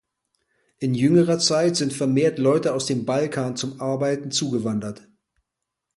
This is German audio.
In jüngerer Zeit sind vermehrt Leute aus dem Balkan zum Arbeiten zugewandert.